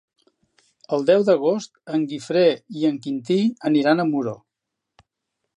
El deu d'agost en Guifré i en Quintí aniran a Muro.